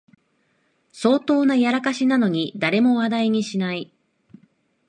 相当なやらかしなのに誰も話題にしない